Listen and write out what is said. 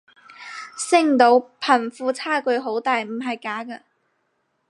星島貧富差距好大唔係假嘅